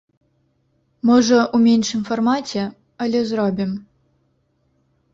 Можа, у меншым фармаце, але зробім.